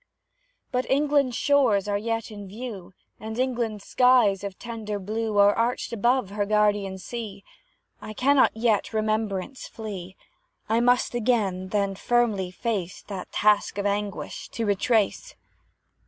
But England's shores are yet in view, And England's skies of tender blue Are arched above her guardian sea. I cannot yet Remembrance flee; I must again, then, firmly face That task of anguish, to retrace.